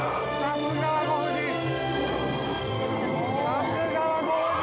◆さすがはご夫人！